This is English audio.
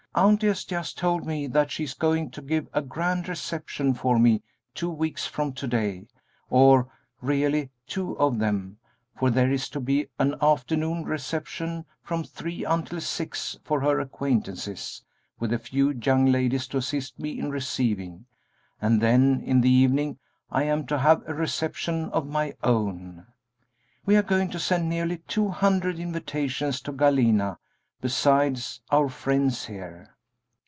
Auntie has just told me that she is going to give a grand reception for me two weeks from to day, or, really, two of them, for there is to be an afternoon reception from three until six for her acquaintances, with a few young ladies to assist me in receiving; and then, in the evening, I am to have a reception of my own. We are going to send nearly two hundred invitations to Galena, besides our friends here.